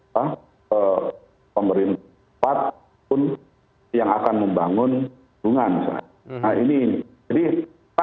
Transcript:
tentu yang akan membangun bendungan misalnya